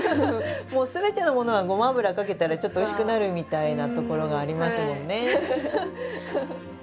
もうすべてのものはゴマ油かけたらちょっとおいしくなるみたいなところがありますもんね。